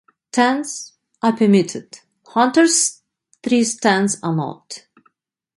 Tents are permitted; hunters' tree stands are not.